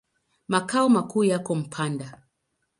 Makao makuu yako Mpanda.